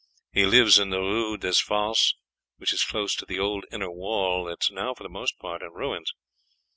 He lives in the Rue des Fosses; which is close to the old inner wall that is now for the most part in ruins.